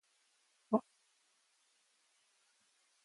He wanted awe.